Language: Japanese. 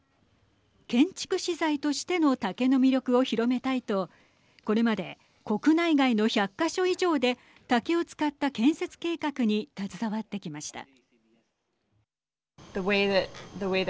建築資材としての竹の魅力を広めたいとこれまで国内外の１００か所以上で竹を使った建設計画に携わってきました。